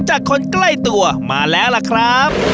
จากคนใกล้ตัวมาแล้วล่ะครับ